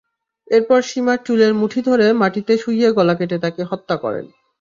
এরপর সীমার চুলের মুঠি ধরে মাটিতে শুইয়ে গলা কেটে তাঁকে হত্যা করেন।